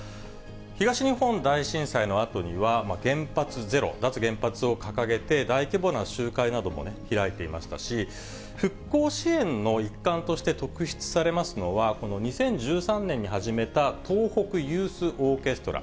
東日本大震災のあとには、原発ゼロ、脱原発を掲げて、大規模な集会などもね、開いていましたし、復興支援の一環として特筆されますのは、この２０１３年に始めた東北ユースオーケストラ。